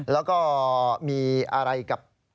แล้วก็มีอะไรกับ